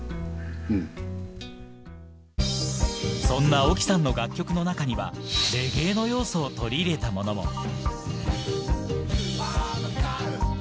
そんなＯＫＩさんの楽曲の中にはレゲエの要素を取り入れたものも。